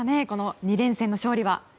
この２連戦の勝利は。